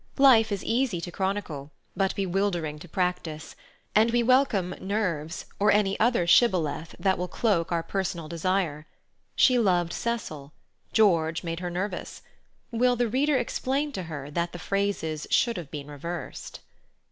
Life is easy to chronicle, but bewildering to practice, and we welcome "nerves" or any other shibboleth that will cloak our personal desire. She loved Cecil; George made her nervous; will the reader explain to her that the phrases should have been reversed?